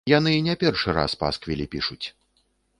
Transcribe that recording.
Яны не першы раз пасквілі пішуць.